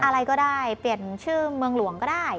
อะไรก็ได้เปลี่ยนชื่อเมืองหลวงก็ได้